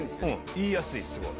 言いやすいすごい。